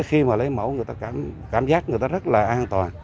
khi mà lấy mẫu người ta cảm giác người ta rất là an toàn